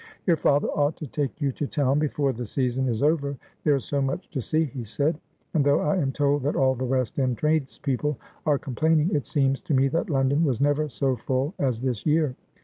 ' Your father ought to take you to town before the season is over. There is so much to see,' he said ;' and though I am told that all the West End trade.^people are complaining, it seems to me that London was never so full as this year.